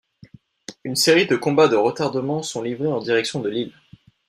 Une série de combats de retardement sont livrés en direction de Lille.